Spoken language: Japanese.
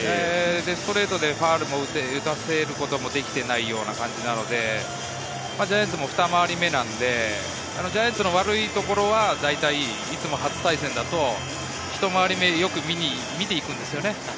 ストレートでファウルも打たせることもできていないような感じなので、ジャイアンツもふた回り目なので、ジャイアンツの悪いところは大体いつも初対戦だと、ひと回り目、よく見に行くんですよね。